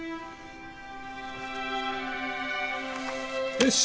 よし。